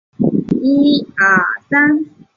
毛脉翅果菊是菊科翅果菊属的植物。